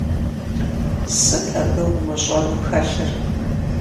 Сыт абы умыщӀэну хэлъыр?!